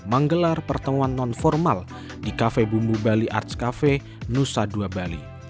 menggelar pertemuan non formal di kafe bumbu bali arts cafe nusa dua bali